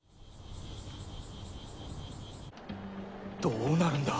どうなるんだ